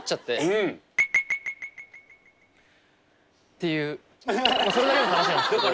ていうそれだけの話なんですけど。